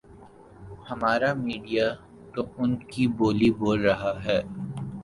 ہمارا میڈیا تو انکی بولی بول رہا ۔